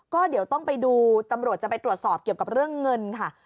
ก็เดี๋ยวต้องไปดูตำรวจจะไปตรวจสอบเกี่ยวกับเรื่องเงินค่ะ